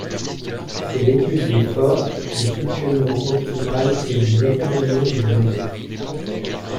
C'est l’étude des forces, du fonctionnement optimal et des déterminants du bien-être.